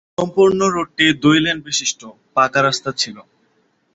সম্পূর্ণ রুটটি দুই লেন বিশিষ্ট, পাকা রাস্তা ছিল।